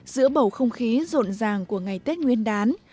giữa bầu không khí rộn ràng của ngày tết nguyên đán